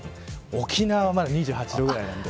沖縄まだ２８度ぐらいあるんで。